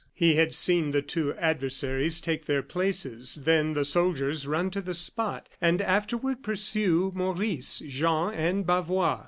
He had seen the two adversaries take their places, then the soldiers run to the spot, and afterward pursue Maurice, Jean and Bavois.